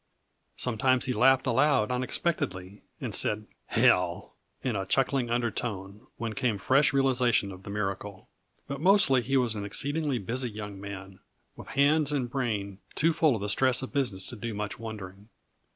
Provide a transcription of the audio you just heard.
Sometimes he laughed aloud unexpectedly, and said, "Hell!" in a chuckling undertone when came fresh realization of the miracle. But mostly he was an exceedingly busy young man, with hands and brain too full of the stress of business to do much wondering.